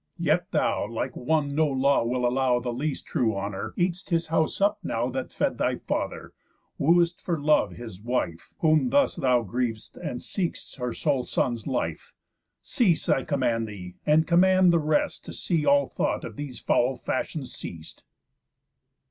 Yet thou, like one that no law will allow The least true honour, eat'st his house up now That fed thy father; woo'st for love his wife, Whom thus thou griev'st and seek'st her sole son's life! Cease, I command thee, and command the rest To see all thought of these foul fashions ceas'd."